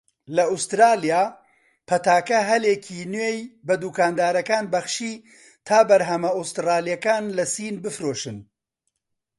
لە ئوستراڵیا، پەتاکە هەلێکی نوێی بە دوکاندارەکان بەخشی تا بەرهەمە ئوستڕاڵیەکان لە سین بفرۆشتن.